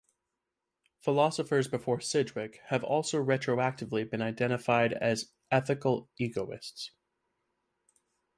Philosophers before Sidgwick have also retroactively been identified as ethical egoists.